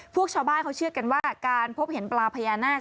พวกชาวบ้านเขาเชื่อกันว่าการพบเห็นปลาพญานาค